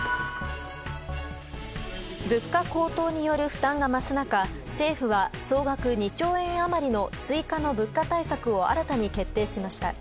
物価高騰による負担が増す中政府は総額２兆円余りの追加の物価対策を新たに決定しました。